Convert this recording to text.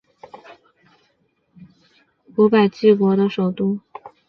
扶余郡是古百济国的首都。